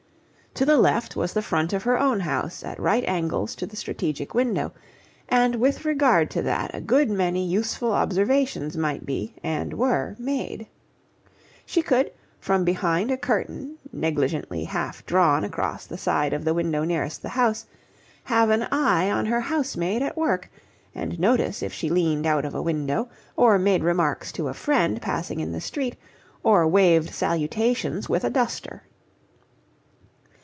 To the left was the front of her own house at right angles to the strategic window, and with regard to that a good many useful observations might be, and were, made. She could, from behind a curtain negligently half drawn across the side of the window nearest the house, have an eye on her housemaid at work, and notice if she leaned out of a window, or made remarks to a friend passing in the street, or waved salutations with a duster.